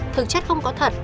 thực chất không có thật